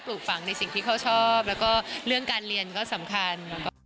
แล้วก็เรื่องการเรียนก็สำคัญ